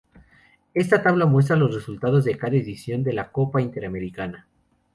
Esta tabla muestra los resultados de cada edición de la Copa Interamericana.